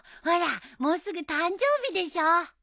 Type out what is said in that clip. ほらもうすぐ誕生日でしょ！